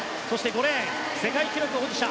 ５レーン、世界記録保持者